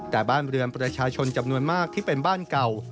แต่บ้านเรือนประชาชนจำนวนมากที่เป็นบ้านเก่า